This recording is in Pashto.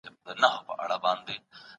که څوک ضد وکړي نو څېړنه یې زیانمنه کېږي.